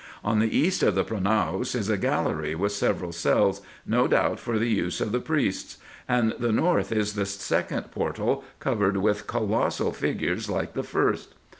On the east of the pronaos is a gallery with several cells, no doubt for the use of the priests ; and the north is the second portal, covered with colossal figures like the first.